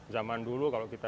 zaman dulu kalau kita